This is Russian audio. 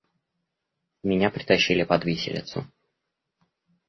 Меня притащили под виселицу.